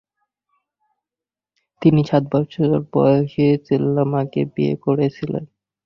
তিনি সাত বছর বয়সী চেল্লামাকে বিয়ে করেছিলেন।